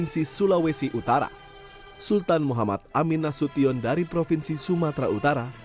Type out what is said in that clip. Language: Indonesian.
sulawesi utara sultan muhammad amin nasution dari provinsi sumatera utara